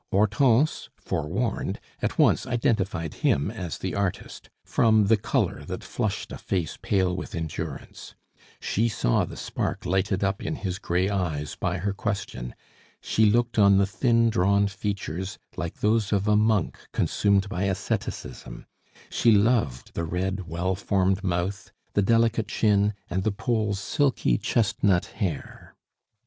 Hortense, forewarned, at once identified him as the artist, from the color that flushed a face pale with endurance; she saw the spark lighted up in his gray eyes by her question; she looked on the thin, drawn features, like those of a monk consumed by asceticism; she loved the red, well formed mouth, the delicate chin, and the Pole's silky chestnut hair.